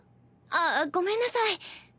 あっごめんなさい。